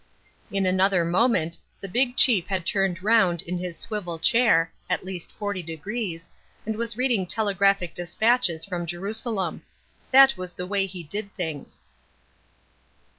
In another moment the big chief had turned round in his swivel chair (at least forty degrees) and was reading telegraphic despatches from Jerusalem. That was the way he did things.